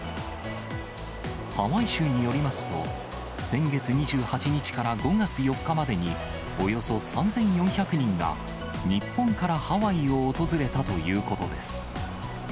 ハワイ州によりますと、先月２８日から５月４日までに、およそ３４００人が、日本からハワイを訪れたということです。